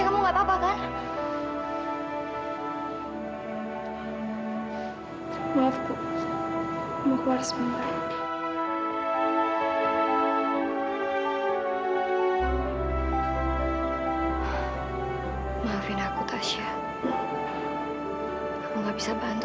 saya gak pernah manfaatin apa apa randi